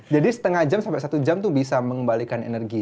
jadi setengah jam sampai satu jam tuh bisa mengembalikan energi